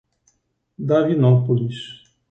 Davinópolis